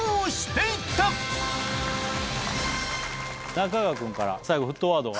中川君から最後沸騰ワードが。